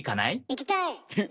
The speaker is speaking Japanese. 行きたい！